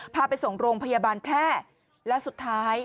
พาไปส่งโรงพยาบาลแพร่และสุดท้าย